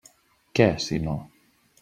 Què, si no?